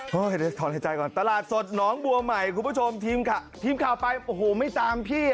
ได้ถอนหายใจก่อนตลาดสดหนองบัวใหม่คุณผู้ชมทีมข่าวไปโอ้โหไม่ตามพี่